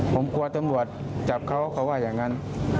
ผมกลัวตำรวจจับเขาเขาว่าอย่างนั้น